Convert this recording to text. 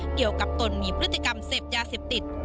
เกี่ยวกับตนมีพฤติกรรมเสพยาเสพติด